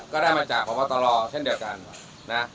ก็ได้มาจากกว่าวตลอเช่นเดียวกันนะ